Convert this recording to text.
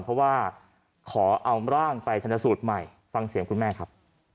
เพราะว่าขอเอาร่างไปชนสูตรใหม่ฟังเสียงคุณแม่ครับ